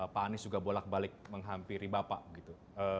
pak anies juga bolak balik menghampiri bapak gitu